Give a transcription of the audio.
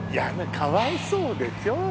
かわいそうでしょう。